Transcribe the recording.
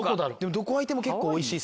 どこ開いてもおいしい。